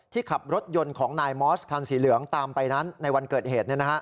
ขับรถยนต์ของนายมอสคันสีเหลืองตามไปนั้นในวันเกิดเหตุ